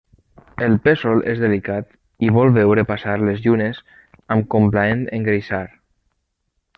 El pésol és delicat i vol veure passar les llunes amb complaent engreixar.